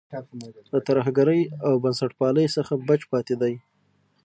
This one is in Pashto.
له ترهګرۍ او بنسټپالۍ څخه بچ پاتې دی.